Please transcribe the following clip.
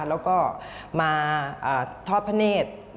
แล้วก็มาทอดพระเนธ